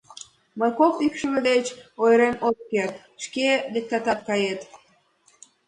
Мыйым кок икшыве деч ойырен от керт, шке лектатат кает.